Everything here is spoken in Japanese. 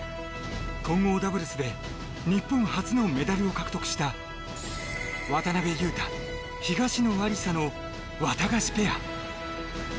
混合ダブルスで日本初のメダルを獲得した渡辺勇大、東野有紗のワタガシペア。